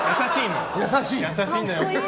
優しいんだよ。